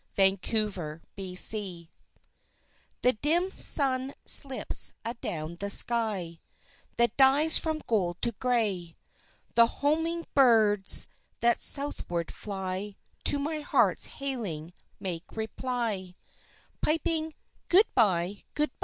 An Autumn Song The dim sun slips adown the sky That dies from gold to gray; The homing birds that Southward fly To my heart's hailing make reply, Piping "Good bye, good bye!"